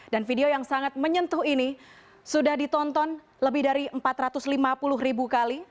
dan video yang sangat menyentuh ini sudah ditonton lebih dari empat ratus lima puluh ribu kali